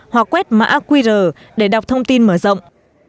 hoặc quét mã qr để đọc thông tin mở rộng